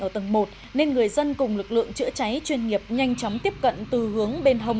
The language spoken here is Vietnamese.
ở tầng một nên người dân cùng lực lượng chữa cháy chuyên nghiệp nhanh chóng tiếp cận từ hướng bên hồng